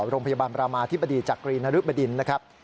โรงพยาบาลประมาธิบดีจักรีนรุบดินนะครับ